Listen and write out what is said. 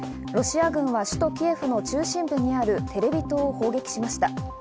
ロシア軍は首都キエフの中心部にあるテレビ塔を砲撃しました。